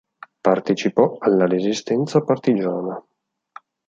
Partecipò alla resistenza partigiana.